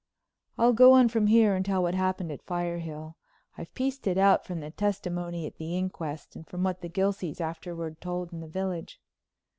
I'll go on from here and tell what happened at Firehill. I've pieced it out from the testimony at the inquest and from what the Gilseys afterward told in the village.